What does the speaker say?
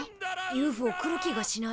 ＵＦＯ来る気がしない。